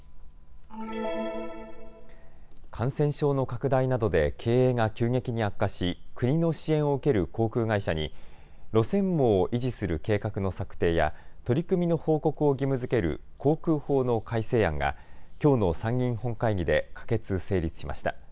感染症の拡大などで経営が急激に悪化し、国の支援を受ける航空会社に路線網を維持する計画の策定や取り組みの報告を義務づける航空法の改正案がきょうの参議院本会議で可決・成立しました。